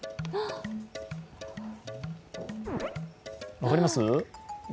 分かります？